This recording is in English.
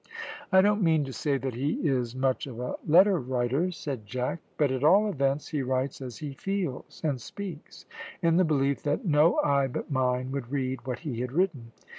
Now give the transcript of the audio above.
"I don't mean to say that he is much of a letter writer," said Jack; "but at all events he writes as he feels and speaks, in the belief that no eye but mine would read what he had written.